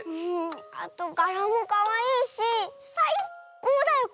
あとがらもかわいいしさいこうだよ